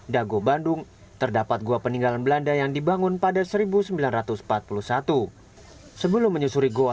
dago bandung terdapat gua peninggalan belanda yang dibangun pada seribu sembilan ratus empat puluh satu sebelum menyusuri goa